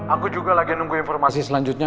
aku juga lagi nunggu informasi selanjutnya